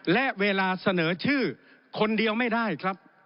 และเวลาเสนอชื่อคนเดียวไม่ได้ครับ